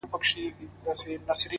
خوار که خداى کړې، دا بې غيرته چا کړې؟